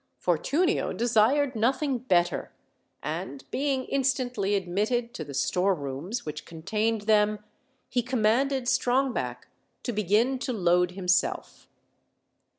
Fortunio desired nothing better; and being instantly admitted to the storerooms which contained them, he commanded Strongback to begin to load himself.